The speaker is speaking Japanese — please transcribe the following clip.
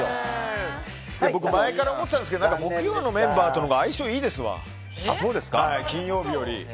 僕、前から思ってたんですけど木曜のメンバーとのほうが相性がいいですわ、金曜日より。